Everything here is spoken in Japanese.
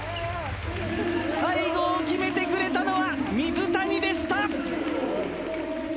最後を決めてくれたのは、水谷でした。